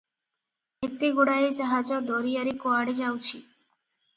ଏତେଗୁଡାଏ ଜାହାଜ ଦରିଆରେ କୁଆଡ଼େ ଯାଉଛି ।